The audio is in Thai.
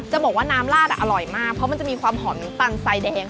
จะบอกว่าน้ำลาดอร่อยมากเพราะมันจะมีความหอมน้ำตาลทรายแดง